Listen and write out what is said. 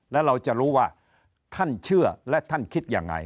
แล้วเราจะรู้ว่าท่านเชื่อและท่านคิดยังไง